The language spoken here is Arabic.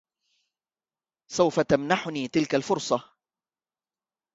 سوف تمنحني تلك الفرصة.